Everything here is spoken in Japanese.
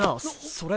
それ